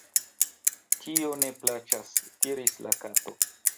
"Tio ne_ plaĉas," diris la Kato.